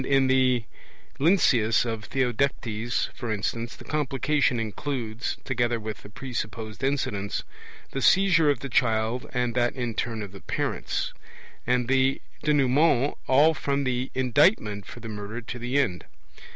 In the Lynceus of Theodectes, for instance, the Complication includes, together with the presupposed incidents, the seizure of the child and that in turn of the parents; and the Denouement all from the indictment for the murder to the end.